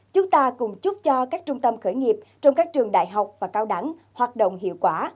chúng ta cùng chúc cho các trung tâm khởi nghiệp trong các trường đại học và cao đẳng hoạt động hiệu quả